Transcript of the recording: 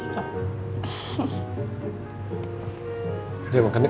jangan makan nih